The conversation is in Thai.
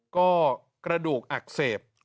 ก็กระดูกอักเสบ